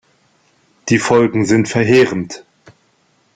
Die Folgen sind verheerend.